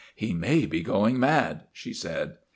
' He may be going mad," she said.